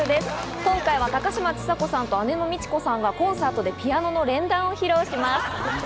今回は、高嶋ちさ子さんと姉の未知子さんがコンサートでピアノの連弾を披露します。